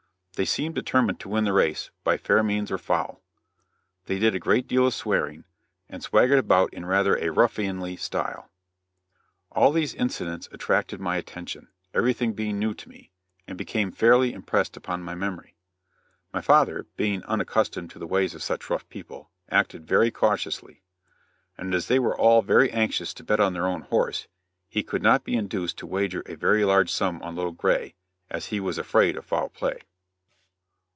They seemed determined to win the race by fair means or foul. They did a great deal of swearing, and swaggered about in rather a ruffianly style. All these incidents attracted my attention everything being new to me and became firmly impressed upon my memory. My father, being unaccustomed to the ways of such rough people, acted very cautiously; and as they were all very anxious to bet on their own horse, he could not be induced to wager a very large sum on Little Gray, as he was afraid of foul play.